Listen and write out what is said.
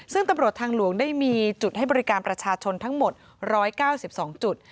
ซึ่งตำรวจทางหลวงได้มีจุดให้บริการประชาชนทั้งหมด๑๙๒จุด